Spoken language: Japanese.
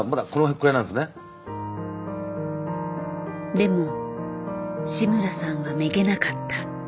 でも志村さんはめげなかった。